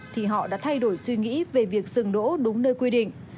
thì họ đã thay đổi suy nghĩ về việc dừng đỗ đúng nơi quy định